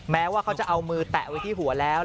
แม้ว่าเขาจะเอามือแตะไว้ที่หัวแล้ว